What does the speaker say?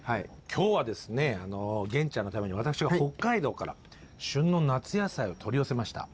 今日はですね源ちゃんのために私が北海道から旬の夏野菜を取り寄せました。